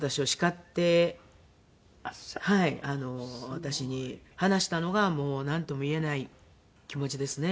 私に話したのがもうなんとも言えない気持ちですね。